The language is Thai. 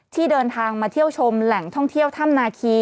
ที่เดินทางมาเที่ยวชมแหล่งท่องเที่ยวถ้ำนาคี